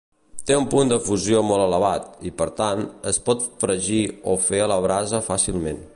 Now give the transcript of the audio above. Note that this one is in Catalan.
Té un punt de fusió molt elevat i, per tant, es pot fregir o fer a la brasa fàcilment.